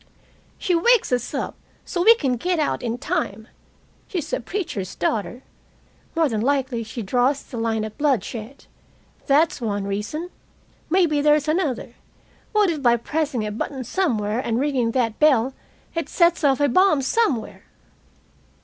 "She wakes us up, so we can get out in time. She's a preacher's daughter. More than likely she draws the line at bloodshed. That's one reason. Maybe there's another. What if by pressing a button somewhere and ringing that bell, it sets off a bomb somewhere?"